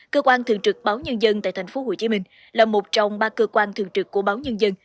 cơ quan thường trực báo nhân dân tại tp hcm là một trong ba cơ quan thường trực của báo nhân dân